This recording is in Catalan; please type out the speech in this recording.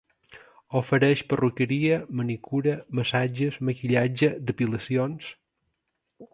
Ofereix perruqueria, manicura, massatges, maquillatge, depilacions...